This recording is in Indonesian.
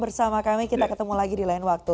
bersama kami kita ketemu lagi di lain waktu